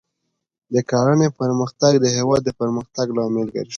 د کرنې پرمختګ د هېواد د پرمختګ لامل ګرځي.